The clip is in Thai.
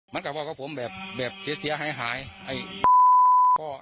มันกะบวังว่าผมแบบเสียแตร้หายหาย